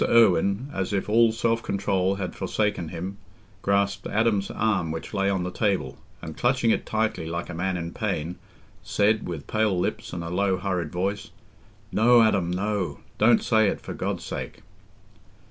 Irwine, as if all self control had forsaken him, grasped Adam's arm, which lay on the table, and, clutching it tightly like a man in pain, said, with pale lips and a low hurried voice, "No, Adam, no—don't say it, for God's sake!"